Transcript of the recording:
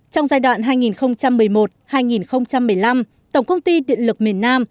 trong giai đoạn hai nghìn một mươi một hai nghìn một mươi năm tổng công ty điện lực miền nam